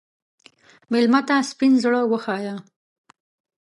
مېلمه ته سپین زړه وښیه.